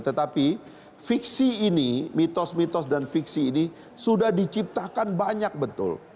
tetapi fiksi ini mitos mitos dan fiksi ini sudah diciptakan banyak betul